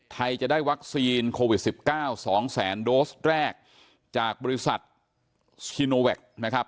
ไทยจะได้วัคซีนโควิด๑๙๒แสนโดสแรกจากบริษัทชิโนแวคนะครับ